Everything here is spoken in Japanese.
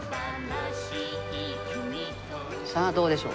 さあどうでしょう？